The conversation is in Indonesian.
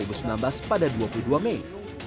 pemilihan umum dua ribu sembilan belas pada dua puluh dua mei